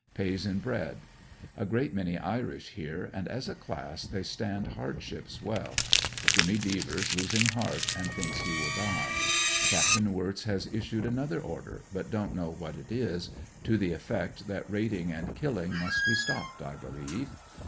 Pays in bread. A great many Irish here, and as a class, they stand hardships well. Jimmy Devers losing heart and thinks he will die. Capt. Wirtz has issued another order, but don't know what it is — to the effect that raiding and kill ing must be stopped, 1 believe.